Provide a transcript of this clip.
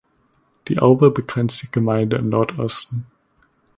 Die Aube begrenzt die Gemeinde im Nordosten.